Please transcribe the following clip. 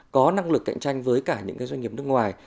có năng lực cạnh tranh với cả những doanh nghiệp nước ngoài